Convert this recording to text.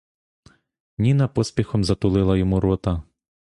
Ніна поспіхом затулила йому рота.